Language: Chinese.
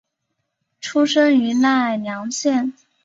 出身于奈良县。